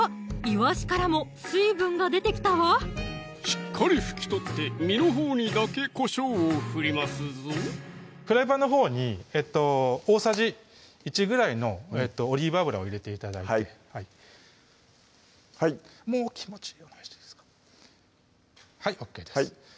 いわしからも水分が出てきたわしっかり拭き取って身のほうにだけこしょうを振りますぞフライパンのほうに大さじ１ぐらいのオリーブ油を入れて頂いてはいもう気持ちお願いしていいですかはいＯＫです